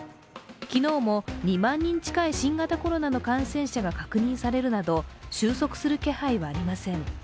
昨日も２万人近い新型コロナの感染者が確認されるなど収束する気配はありません。